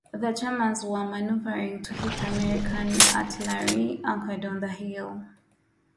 The Germans were maneuvering to hit American artillery anchored on the hill.